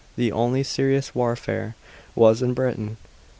The only serious warfare was in Britain.